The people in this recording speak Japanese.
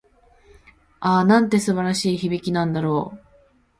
ああ、なんて素晴らしい響きなんだろう。